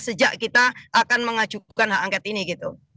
sejak kita akan mengajukan hak angket ini gitu